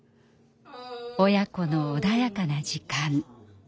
親子の穏やかな時間。